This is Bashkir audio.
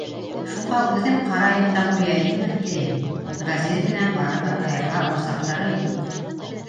Шуға үҙем ҡарайым да ҡуяйыммы, тием, Ғәзиз менән барыбер айырыла аласаҡтары юҡ.